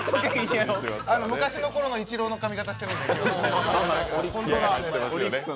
昔のころのイチローの髪形してるので。